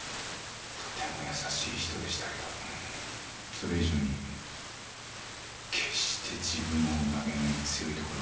とても優しい人でしたけどそれ以上に決して自分を曲げない強いところがありました。